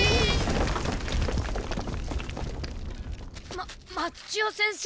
まっ松千代先生！？